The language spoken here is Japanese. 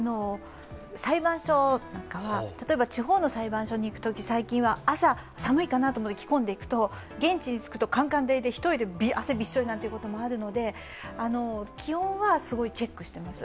裁判所なんかは、例えば、地方の裁判所に行くときなんかは最近は朝、寒いかなと思って着込んでいくと現地に着くとカンカン照りで１人で汗びっしょりということもあるので気温は、すごいチェックしてます。